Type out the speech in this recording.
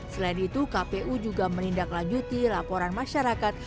selain itu kpu juga menindaklanjuti laporan masyarakat